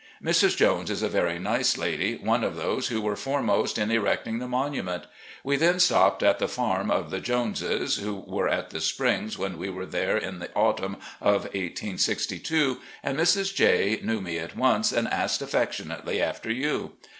Mrs. Jones is a very nice lady, one of those who were foremost in erecting the monu ment. We then stopped at the farm of the Jones's, who were at the springs when we were there in the autumn of 1862, and Mrs. J^ — knew me at once, and asked affectionately after you.